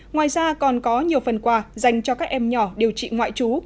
ngoài ra còn có nhiều phần quà dành cho các em nhỏ điều trị ngoại trú